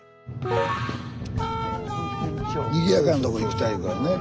スタジオにぎやかなとこ行きたい言うからね